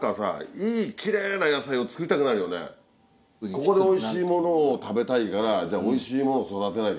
ここでおいしいものを食べたいからじゃあおいしいもの育てなきゃとか。